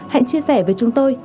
hãy chia sẻ với chúng tôi